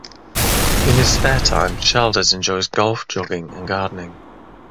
In his spare time, Shalders enjoys golf, jogging and gardening.